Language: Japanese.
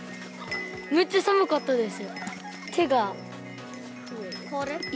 めっちゃ寒かったです。